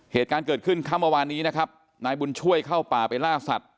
เหตุการณ์เกิดขึ้นค่ำเมื่อวานนี้นะครับนายบุญช่วยเข้าป่าไปล่าสัตว